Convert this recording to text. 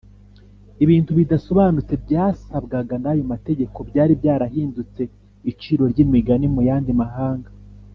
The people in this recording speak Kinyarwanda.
. Ibintu bidasobanutse byasabwagwa n’ayo mategeko byari byarahindutse iciro ry’imigani mu yandi mahanga